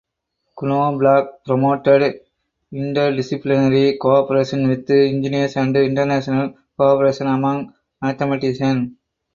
Knobloch promoted interdisciplinary cooperation with engineers and international cooperation among mathematicians.